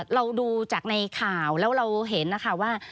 เราดูจากในข่าวแล้วเราเห็นนะคะว่า